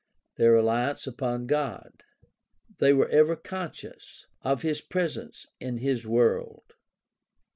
Their reliance upon God. They were ever conscious of his presence in his world.